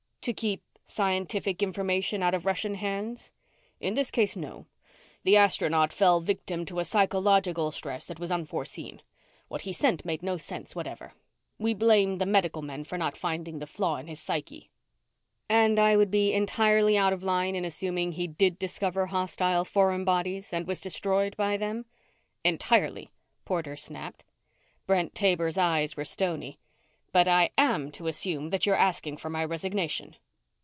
"To keep scientific information out of Russian hands?" "In this case, no. The astronaut fell victim to a psychological stress that was unforeseen. What he sent made no sense whatever. We blame the medical men for not finding the flaw in his psyche." "And I would be entirely out of line in assuming he did discover hostile foreign bodies and was destroyed by them?" "Entirely," Porter snapped. Brent Taber's eyes were stony. "But I am to assume that you're asking for my resignation."